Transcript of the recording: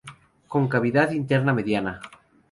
Con cavidad interna mediana.